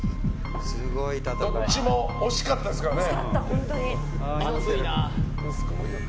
どっちも惜しかったですからね。